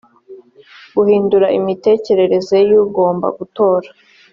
guhindura imitekerereze y ugomba gutora